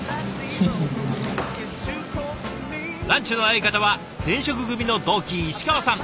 ランチの相方は転職組の同期石川さん。